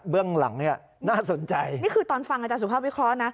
หลังเนี่ยน่าสนใจนี่คือตอนฟังอาจารย์สุภาพวิเคราะห์นะ